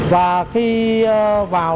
và khi vào